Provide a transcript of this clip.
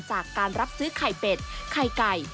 จากการรับซื้อไข่เป็ดไข่ไก่